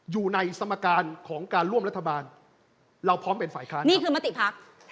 อยู่ในสมการของการร่วมรัฐบาลเราพร้อมเป็นฝ่ายค้านนี่คือมติพัก